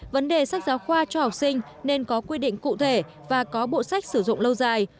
vấn đề sách giáo khoa cho học sinh nên có quy định cụ thể và có bộ sách sử dụng lâu dài